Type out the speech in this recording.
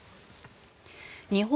日本